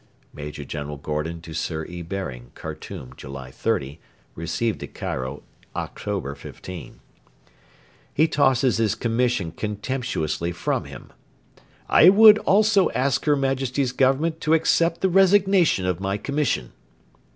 [Major General Gordon to Sir E. Baring, Khartoum, July 30; received at Cairo October 15.] He tosses his commission contemptuously from him: 'I would also ask her Majesty's Government to accept the resignation of my commission.'